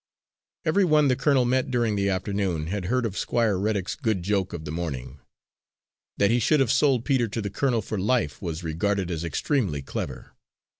Every one the colonel met during the afternoon had heard of Squire Reddick's good joke of the morning. That he should have sold Peter to the colonel for life was regarded as extremely clever.